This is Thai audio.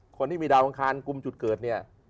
คนที่มีดาวอังคารกลุ่มจุดเกิดเนี่ย